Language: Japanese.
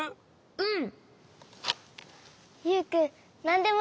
うん。